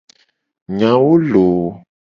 Nyawo loooo.